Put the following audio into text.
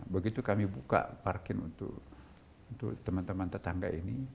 begitu kami buka parkir untuk teman teman tetangga ini